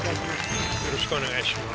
よろしくお願いします。